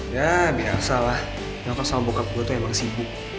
ya biasa lah nyokap sama bokap gue tuh emang sibuk